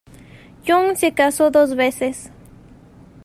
Young se casó dos veces.